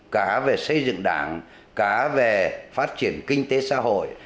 cả về xây dựng đảng cả về phát triển kinh tế xã hội